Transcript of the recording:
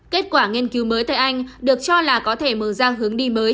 kết quả nghiên cứu mới tại anh được cho là có thể mở ra hướng đi mới